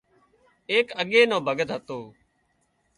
ايڪ اڳي نو ڀڳت هتو